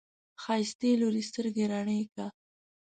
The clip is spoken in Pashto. ښايستې لورې، سترګې رڼې که!